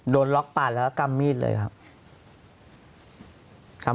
โดนล็อกปาดแล้วก็กำมีดเลยครับ